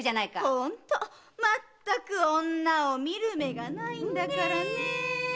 ホントまったく女を見る目がないんだから。ね！